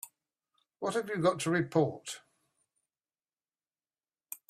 What have you got to report?